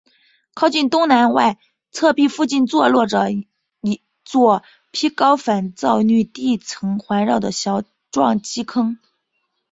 靠近东南外侧壁附近坐落了一座被高反照率地层环绕的小撞击坑。